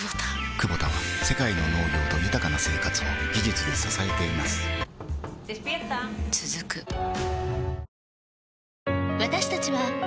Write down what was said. クボタは世界の農業と豊かな生活を技術で支えています起きて。